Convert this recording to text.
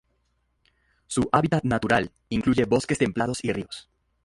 Su hábitat natural incluye bosques templados y ríos.